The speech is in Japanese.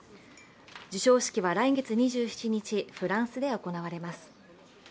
授賞式は来月２７日、フランスで行われます。